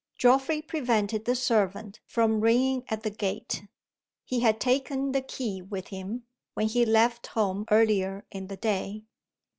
Geoffrey prevented the servant from ringing at the gate. He had taken the key with him, when he left home earlier in the day.